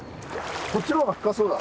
こっちの方が深そうだ。